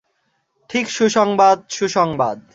ঠিক, সুসংবাদ, সুসংবাদ।